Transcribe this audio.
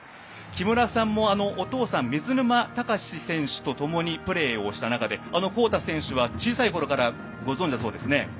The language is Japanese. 木村さんもお父さんの水沼貴史選手とともにプレーをした中で宏太選手は小さいころからご存じだそうですね。